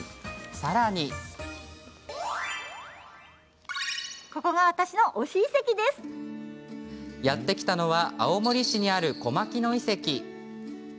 やって来たのは青森市にある小牧野遺跡。